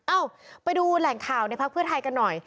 เอ้าไปดูแหล่งข่าวในพักเพื่อไทยกันหน่อย